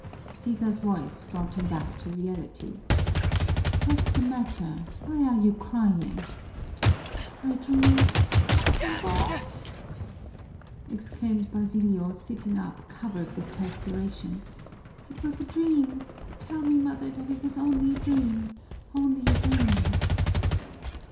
Sisa's voice brought him back to reality. "What's the matter? Why are you crying?" "I dreamed O God!" exclaimed Basilio, sitting up, covered with perspiration. "It was a dream! Tell me, mother, that it was only a dream! Only a dream!"